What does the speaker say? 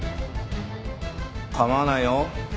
構わないよ。